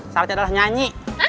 syaratnya adalah nyanyi